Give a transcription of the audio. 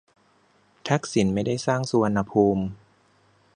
ทักษิณไม่ได้สร้างสุวรรณภูมิ